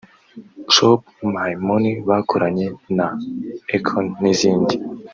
Chop my Money bakoranye na Akon n’izindi